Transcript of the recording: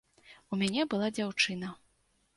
У мяне была дзяўчына.